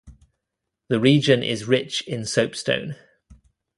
The region is rich in soapstone.